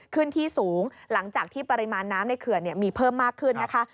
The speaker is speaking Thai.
ขึ้นที่สูงหลังจากที่ปริมาณน้ำในเขื่อนมีเพิ่มมากขึ้นนะคะ